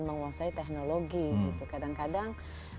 menguasai teknologi kadang kadang